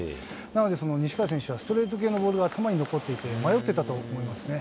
なので、西川選手はストレート系のボールが頭に残っていて、迷ってたと思いますね。